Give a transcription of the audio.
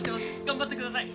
頑張ってください！